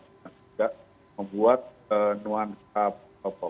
juga membuat nuansa